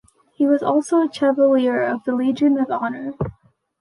He was also a Chevalier of the Legion of Honour.